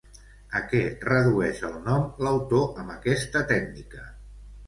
A què redueix el nom l'autor amb aquesta tècnica?